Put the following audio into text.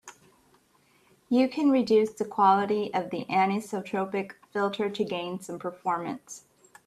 You can reduce the quality of the anisotropic filter to gain some performance.